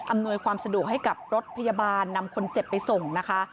ความสะดวกให้กับรถพยาบาลนำคนเจ็บไปส่งนะคะ